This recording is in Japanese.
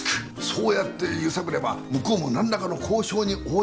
そうやって揺さぶれば向こうも何らかの交渉に応じざるをえない。